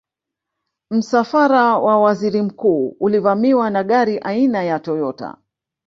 msafara wa waziri mkuu ulivamiwa na gari aina ya toyota